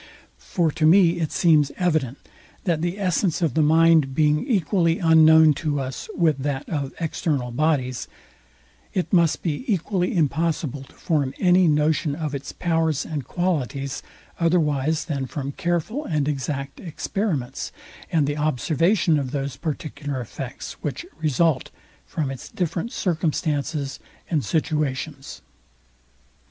For to me it seems evident, that the essence of the mind being equally unknown to us with that of external bodies, it must be equally impossible to form any notion of its powers and qualities otherwise than from careful and exact experiments, and the observation of those particular effects, which result from its different circumstances and situations.